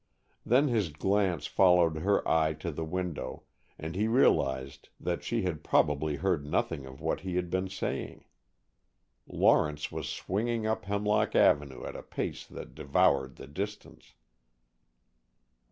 Then his glance followed her eye to the window, and he realized that she had probably heard nothing of what he had been saying. Lawrence was swinging up Hemlock Avenue at a pace that devoured the distance.